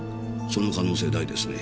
その可能性大ですね。